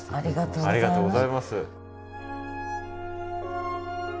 ありがとうございます。